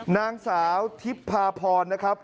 นางสาวทิพย์พาพรนะครับ